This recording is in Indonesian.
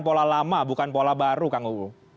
pola lama bukan pola baru kang uu